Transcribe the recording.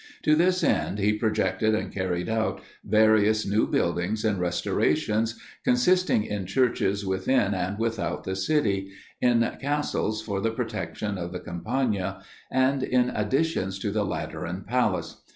To this end he projected and carried out various new buildings and restorations, consisting in churches within and without the city, in castles for the protection of the Campagna, and in additions to the Lateran Palace.